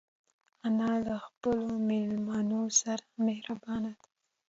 انا له مېلمنو سره مهربانه ده